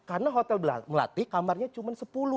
karena hotel melati kamarnya cuma sepuluh